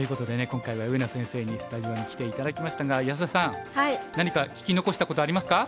今回は上野先生にスタジオに来て頂きましたが安田さん何か聞き残したことはありますか？